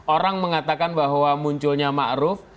orang mengatakan bahwa munculnya ma'ruf